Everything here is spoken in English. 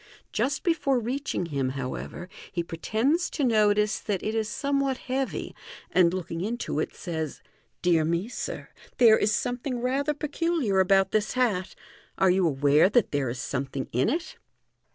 Just before reaching him, however, he pre tends to notice that it ir somewhat heavy, and looking into it, says. " Dear me, sir, there is something rather peculiar about this hat. Are you aware that there is something in it